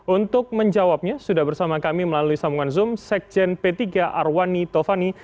untuk menjawabnya sudah bersama kami melalui sambungan zoom sekjen p tiga arwani tovani